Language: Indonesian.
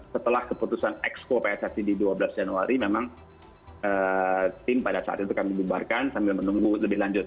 setelah keputusan exco pssi di dua belas januari memang tim pada saat itu kami bubarkan sambil menunggu lebih lanjut